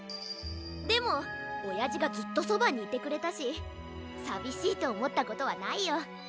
でもおやじがずっとそばにいてくれたしさびしいとおもったことはないよ。